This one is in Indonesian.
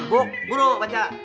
buk buruk baca